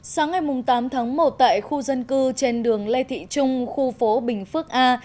sáng ngày tám tháng một tại khu dân cư trên đường lê thị trung khu phố bình phước a